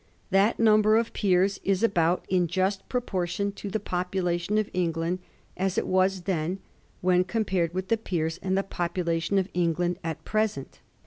That number of Peers is about in just proportion to the population of England as it was then when compared with the Peers and the popu lation of England at present.